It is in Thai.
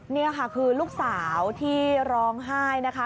นี่ค่ะคือลูกสาวที่ร้องไห้นะคะ